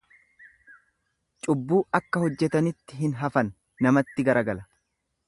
Cubbuu akka hojjetanitti hin hafan namatti garagala.